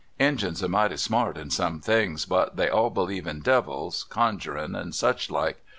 Injuns are mighty smart in some things, but they all believe in devils, conjurin', and such like.